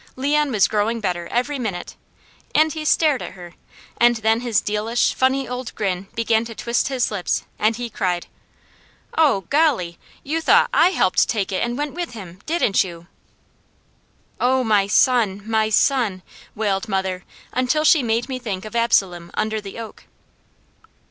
Leon was growing better every minute, and he stared at her, and then his dealish, funny old grin began to twist his lips and he cried: "Oh golly! You thought I helped take it and went with him, didn't you?" "Oh my son, my son!" wailed mother until she made me think of Absalom under the oak.